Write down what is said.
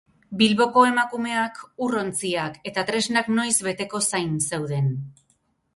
Bilboko emakumeak ur-ontziak eta treskak noiz beteko zain zeuden.